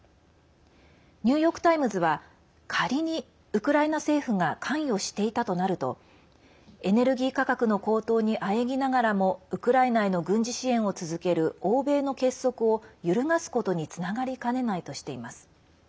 ニューヨーク・タイムズは仮に、ウクライナ政府が関与していたとなるとエネルギー価格の高騰にあえぎながらもウクライナへの軍事支援を続ける欧米の結束を、揺るがすことにつながりかねないとしています。